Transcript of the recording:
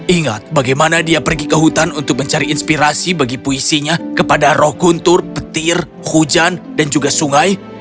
ingat bagaimana dia pergi ke hutan untuk mencari inspirasi bagi puisinya kepada roh guntur petir hujan dan juga sungai